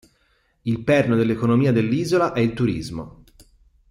Il perno dell'economia dell'isola è il turismo.